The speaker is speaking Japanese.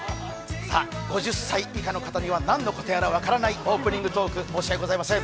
５０歳以下の方には何のことやら分からないオープニングトーク申し訳ございません。